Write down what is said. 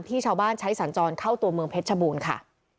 ชาวบ้านใช้สัญจรเข้าตัวเมืองเพชรชบูรณ์ค่ะ